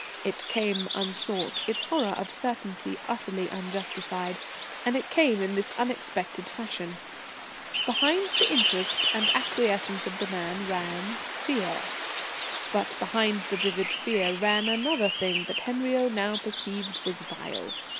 It came unsought, its horror of certainty utterly unjustified; and it came in this unexpected fashion: Behind the interest and acquiescence of the man ran fear: but behind the vivid fear ran another thing that Henriot now perceived was vile.